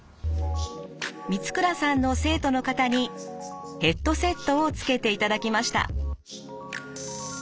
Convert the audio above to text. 満倉さんの生徒の方にヘッドセットをつけていただきました。